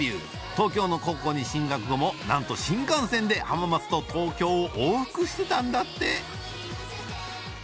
東京の高校に進学後もなんと新幹線で浜松と東京を往復してたんだって